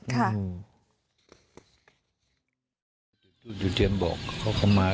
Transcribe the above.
สามารถดูจริงมะเถี๋ยวบ่อเขาเข้ามา